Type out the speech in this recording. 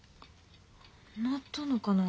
鳴ったのかな。